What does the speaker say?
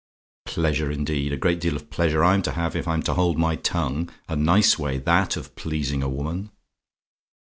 Pleasure, indeed! A great deal of pleasure I'm to have, if I'm told to hold my tongue. A nice way that of pleasing a woman.